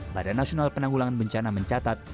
badan nasional penanggulangan bencana mencatat